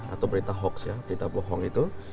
atau berita hoax ya berita bohong itu